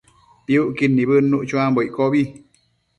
Piucquid nibëdnuc chuambo iccobi